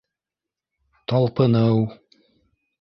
Талпыныу.